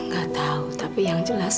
gak tahu tapi yang jelas